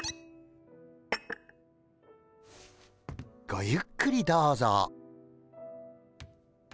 ごゆっくりどうぞ。